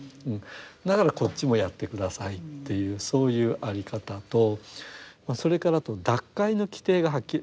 だからこっちもやって下さいっていうそういう在り方とそれから脱会の規定がはっきりしてる。